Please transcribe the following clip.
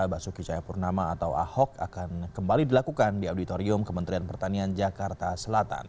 basuki cahayapurnama atau ahok akan kembali dilakukan di auditorium kementerian pertanian jakarta selatan